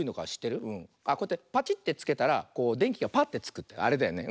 こうやってパチッてつけたらでんきがパッてつくあれだよね。